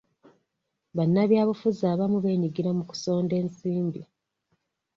Bannabyabufuzi abamu beenyigira mu kusonda ensimbi.